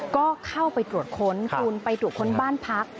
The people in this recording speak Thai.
ก็เข้าไปตรวจค้นคุณไปตรวจค้นบ้านพัก